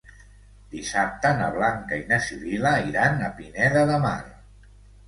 Dissabte na Blanca i na Sibil·la iran a Pineda de Mar.